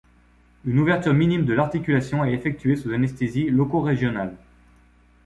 Une ouverture minime de l'articulation est effectuée sous anesthésie loco-régionale.